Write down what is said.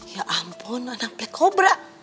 ya ampun anak black cobra